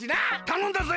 たのんだぜ！